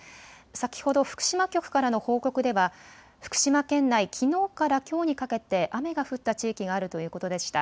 先ほど福島局からの報告では福島県内、きのうからきょうにかけて雨が降った地域があるということでした。